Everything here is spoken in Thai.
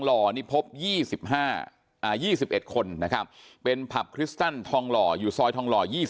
หล่อนี่พบ๒๑คนนะครับเป็นผับคริสตันทองหล่ออยู่ซอยทองหล่อ๒๐